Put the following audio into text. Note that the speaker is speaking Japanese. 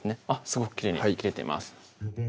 すごくきれいに切れています